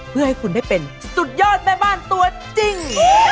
เพื่อให้คุณได้เป็นสุดยอดแม่บ้านตัวจริง